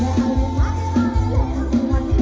เวลาที่สุดท้าย